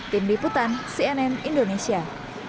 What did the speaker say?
tim liputan cnn indonesia